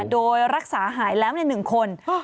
โดยรักษาหายแล้ว๑คน